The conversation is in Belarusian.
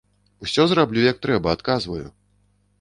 Усё зраблю як трэба, адказваю.